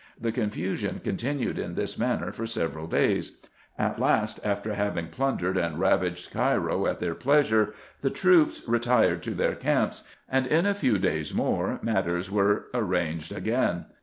The confusion continued in this manner for several days : at last, after having plundered and ravaged Cairo at their pleasure, the troops retired to their camps, and in a few days more matters were arranged again.